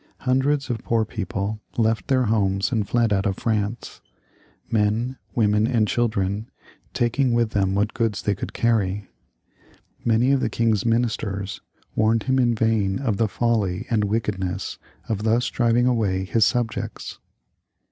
Hundreds of poor people left their homes and fled out of France, men, women, and children, taking with them what goods they could carry. Many of the king's ministers warned him in vain of the folly and wickedness of thus driving away his subjects.